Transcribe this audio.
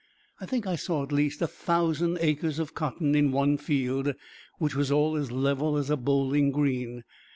I think I saw at least a thousand acres of cotton in one field, which was all as level as a bowling green.